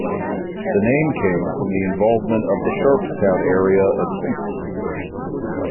The name came from the involvement of the Sharpstown area of Houston.